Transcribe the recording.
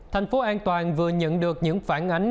thành phố an toàn vừa nhận được những phản ánh